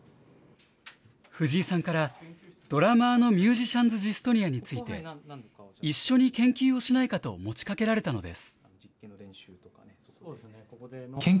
藤井さんから、ドラマーのミュージシャンズ・ジストニアについて、一緒に研究をしないかと持ちかけられたのです。